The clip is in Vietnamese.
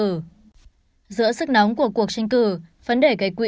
giữa sức nóng của cuộc tranh cử